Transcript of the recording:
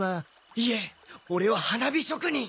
いえオレは花火職人！